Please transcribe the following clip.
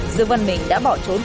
dương văn mình đã bỏ trốn khuẩn bị